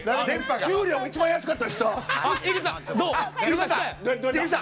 給料、一番安かったしさ。